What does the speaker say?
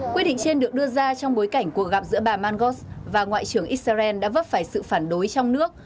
quyết định trên được đưa ra trong bối cảnh cuộc gặp giữa bà mangos và ngoại trưởng israel đã vấp phải sự phản đối trong nước